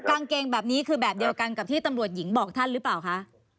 กางเกงแบบนี้คือแบบเดียวกันกับที่ตำรวจหญิงบอกท่านหรือเปล่าคะ